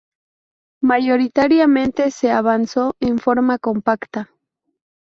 Mayoritariamente se avanzó en forma compacta.